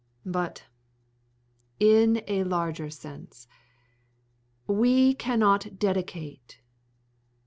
But, in a larger sense, we cannot dedicate.